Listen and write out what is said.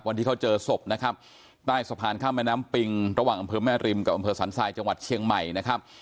วันที่เขาเจอศพนะครับใต้สะพานข้ามแม่น้ำปิงระหว่างอำเภอแม่ริมกับอำเภอสันทรายจังหวัดเชียงใหม่นะครับ